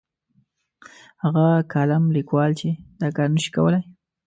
هغه کالم لیکوال چې دا کار نه شي کولای.